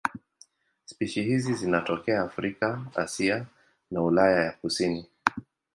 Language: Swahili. Spishi hizi zinatokea Afrika, Asia na Ulaya ya kusini.